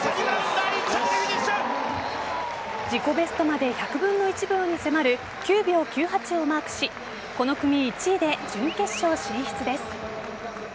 自己ベストまで１００分の１秒に迫る９秒９８をマークしこの組１位で準決勝進出です。